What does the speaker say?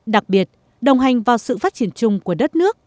đặc biệt đồng hành vào sự phát triển chung của đất nước